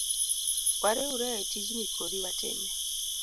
Wariwre etijni kodi watime.